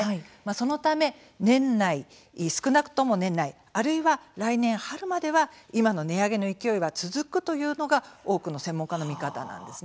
そのため、少なくとも年内あるいは来年、春までは今の値上げの勢いは続くというのが多くの専門家の見方なんです。